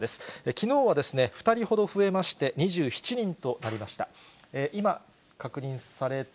きのうは２人ほど増えまして、２７人となりました。